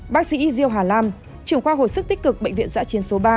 bác sĩ diêu hà lam trưởng khoa hồi sức tích cực bệnh viện giã chiến số ba